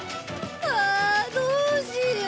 あどうしよう。